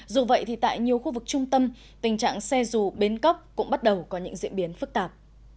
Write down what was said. dù vậy thì tại nhiều khu vực trung tâm tình trạng xe dù bến cóc cũng bắt đầu có những diễn biến phức tạp